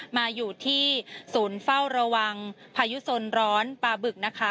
มาอยู่ที่ศูนย์เฝ้าระวังพายุสนร้อนปลาบึกนะคะ